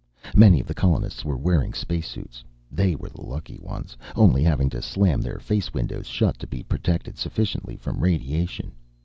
Many of the colonists were wearing spacesuits. They were the lucky ones, only having to slam their face windows shut to be protected sufficiently from radiation.